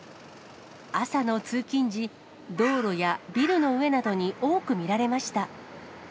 朝の通勤時、道路やビルの上などに多く見られました。